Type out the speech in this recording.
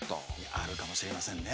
あるかもしれませんね。